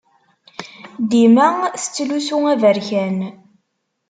Dima tettlusu aberkan.